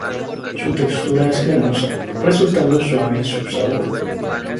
Su textura es cremosa, resultando suave su sabor.